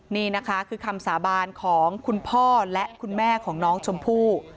นี่นะคะคือคำสาบานของคุณพ่อและคุณแม่ของน้องชมพู่